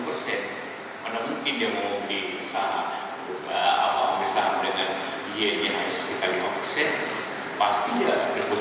ya saya juga di dodol di ikik semua merkus